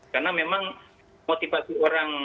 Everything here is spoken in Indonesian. karena memang motivasi orang